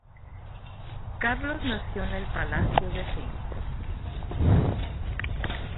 Carlos nació en el palacio de St.